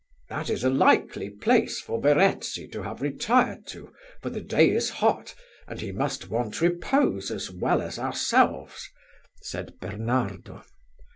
"That is a likely place for Verezzi to have retired to, for the day is hot, and he must want repose as well as ourselves," said Bernardo.